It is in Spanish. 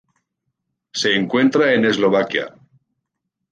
Se encuentra en Eslovaquia.